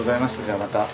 じゃあまた。